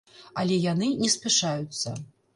Але яны не спяшаюцца.